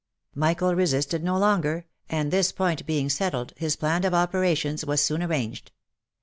Michael resisted no longer, and this point being settled, his plan of operations was soon arranged.